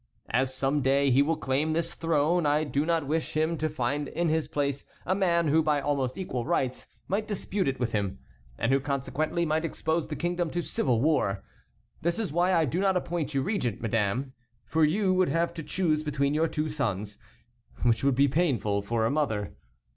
As some day he will claim this throne I do not wish him to find in his place a man who by almost equal rights might dispute it with him, and who consequently might expose the kingdom to civil war. This is why I do not appoint you regent, madame, for you would have to choose between your two sons, which would be painful for a mother.